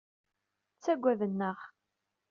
Ttagaden-aɣ.